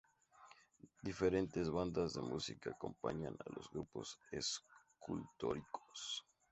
Diferentes bandas de música acompañan a los grupos escultóricos.